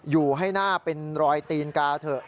อยู่ให้หน้าเป็นรอยตีนกาเถอะ